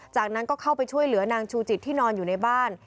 จากนั้นก็เข้าไปช่วยเหลือนางชูจิตที่นอนอยู่ในบ้าน